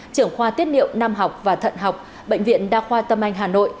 trưởng khoa tiết niệm nam học và thận học bệnh viện đa khoa tâm anh hà nội